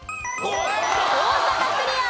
大阪クリア。